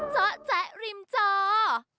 เจ้าแจ๊กริมเจ้า